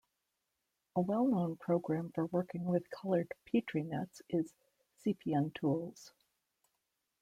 A well-known program for working with coloured Petri nets is cpntools.